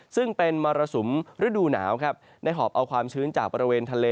ซึ่งเป็นมรสุมฤดูหนาวครับได้หอบเอาความชื้นจากบริเวณทะเล